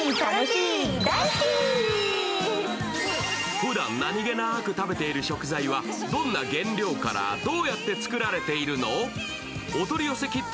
ふだん何気なく食べている食材はどんな原料からどうやって作られているの？